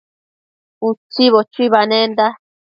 Utsibo chuibanenda